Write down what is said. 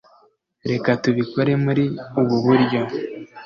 reka tubikore muri ubu buryo